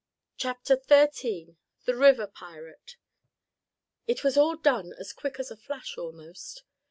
CHAPTER XIII THE RIVER PIRATE It was all done as quick as a flash, almost.